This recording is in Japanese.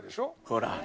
ほら。